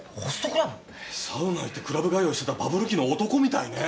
サウナ行ってクラブ通いしてたバブル期の男みたいね。